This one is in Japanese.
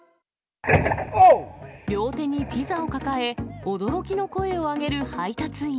両手にピザを抱え、驚きの声を上げる配達員。